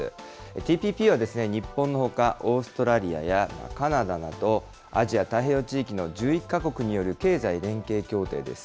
ＴＰＰは日本のほか、オーストラリアやカナダなど、アジア太平洋地域の１１か国による経済連携協定です。